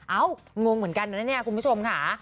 งงเหมือนกันนะเนี่ยคุณผู้ชมค่ะ